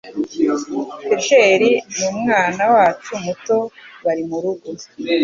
Peter numwana wacu muto bari murugo